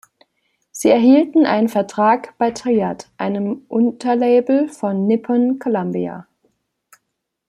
Sie erhielten einen Vertrag bei Triad, einem Unterlabel von Nippon Columbia.